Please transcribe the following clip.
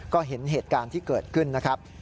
ก็เห็นเหตุการณ์ที่เกิดขึ้นนะครับ